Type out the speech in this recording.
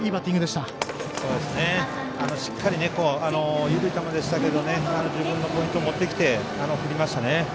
しっかり緩い球でしたけど自分のポイント持ってきて振りましたね。